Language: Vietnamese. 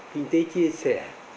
kinh tế chia sẻ